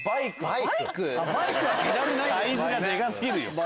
サイズがでか過ぎるよ。